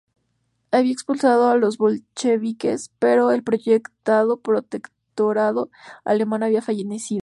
Había expulsado a los bolcheviques pero el proyectado protectorado alemán había fenecido.